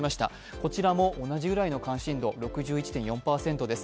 こちらも同じぐらいの関心度、６１．４％です。